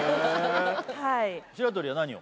はい白鳥は何を？